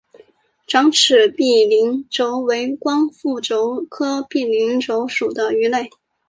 长齿柄鳞鲷为光腹鲷科柄鳞鲷属的鱼类。